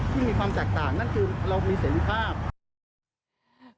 ที่มีความจากต่างนั่นคือเรามีเสียงความ